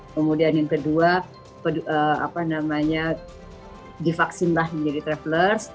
kemudian yang kedua divaksinlah menjadi travelers